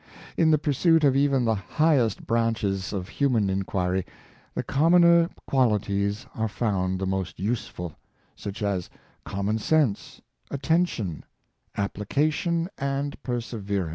In the pursuit of even the highest branches of human inquiry, the commoner qualities are found the most useful — such as common sense, attention, application and perseverance.